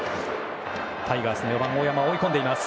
タイガースの４番、大山を追い込んでいます。